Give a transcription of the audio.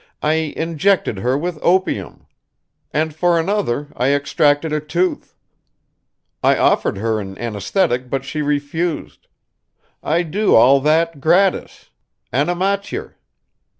I injected her with opium; and for another I extracted a tooth. I offered her an anesthetic, but she refused. I do all that gratis anamatyer.